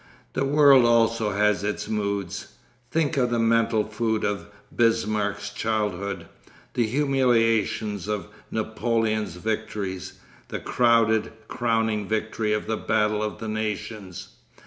The world also has its moods. Think of the mental food of Bismarck's childhood; the humiliations of Napoleon's victories, the crowded, crowning victory of the Battle of the Nations....